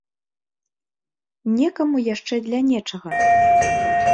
Некаму яшчэ для нечага.